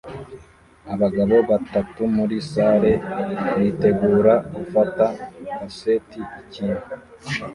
Abagabo batatu muri sale bitegura gufata kaseti ikintu